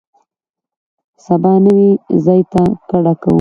سبا نوي ځای ته کډه کوو.